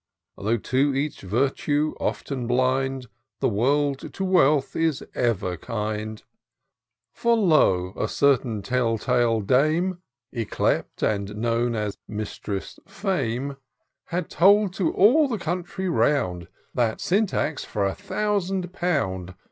Though to each virtue often blind, The world to wealth is ever kind ; For lo ! a certain tell tale dame, Yclep'd and known as Mistress Fame, Had told to all the country round. That Syntax, for a thousand pound.